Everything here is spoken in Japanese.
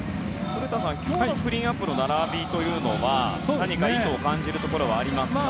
古田さん、今日のクリーンナップの並びというのは何か意図を感じるところはありますか？